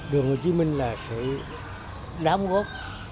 đường hồ chí minh là sự đám góp